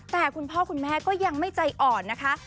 แต่คุณพ่อคุณแม่ก็ยังไม่ใจอ่อนนะคะ